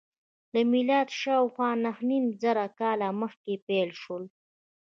له میلاده شاوخوا نهه نیم زره کاله مخکې پیل شول.